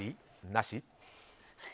なし？